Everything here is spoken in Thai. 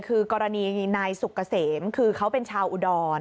คือกรณีนายสุกเกษมคือเขาเป็นชาวอุดร